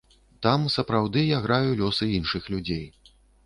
Там, сапраўды, я граю лёсы іншых людзей.